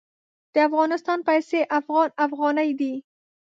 د افغانستان پیسې افغان افغاني دي.